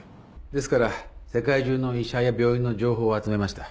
ですから世界中の医者や病院の情報を集めました。